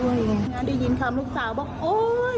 วันนี้ที่ยินคำลูกสาวว่าโอ๊ย